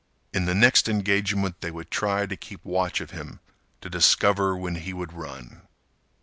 In the next engagement they would try to keep watch of him to discover when he would run.